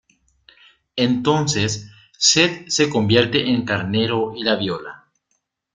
Entonces, Set se convierte en carnero y la viola.